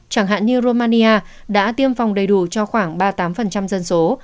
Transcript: chẳng hạn như romania đã tiêm phòng đầy đủ cho khoảng ba mươi tám dân số